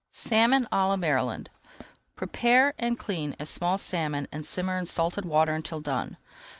SALMON À LA MARYLAND Prepare and clean a small salmon and simmer in salted water until done.